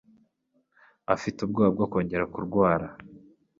Afite ubwoba bwo kongera kurwara